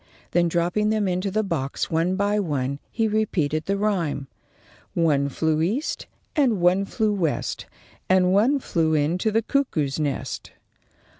Then, dropping them into the box, one by one, he repeated the rhyme: "One flew east and one flew west. And one flew into the cuckoo's nest."